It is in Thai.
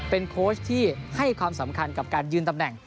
เป็นโค้ชที่ให้ความสำคัญกับการยืนตำแหน่ง